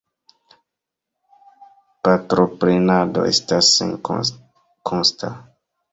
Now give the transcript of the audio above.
Patroprenado estas senkosta.